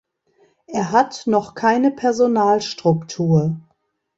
Er hat noch keine Personalstruktur.